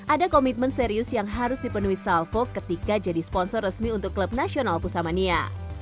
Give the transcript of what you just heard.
ada komitmen serius yang harus dipenuhi salvo ketika jadi sponsor resmi untuk klub nasional pusamania